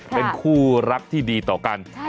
เป็นคู่รักที่ดีต่อกัน